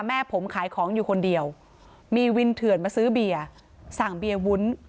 แม่ผมขายของอยู่คนเดียวมีวินเถื่อนมาซื้อเบียร์สั่งเบียร์วุ้น